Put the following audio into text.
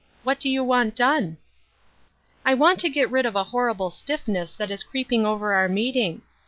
What do you want done ?"" I want to get rid of a horrible stiffness that is creeping over our meeting.